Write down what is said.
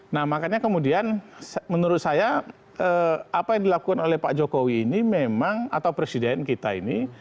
nah makanya kemudian menurut saya apa yang dilakukan oleh pak jokowi ini memang atau presiden kita ini